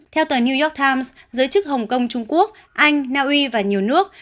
theo tờ new york times giới chức hồng kông trung quốc anh naui và nhiều nước